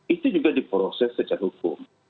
itu juga diproses secara hukum